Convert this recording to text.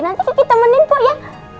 nanti gigi temenin bu ya